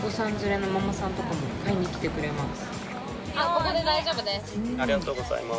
ここで大丈夫です。